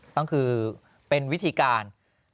ก็คือเป็นวิธีการ